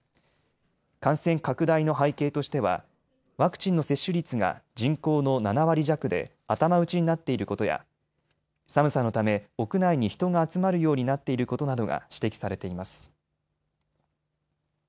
感染拡大の背景としてはワクチンの接種率が人口の７割弱で頭打ちになっていることや寒さのため屋内に人が集まるようになっていることなどが指摘されています。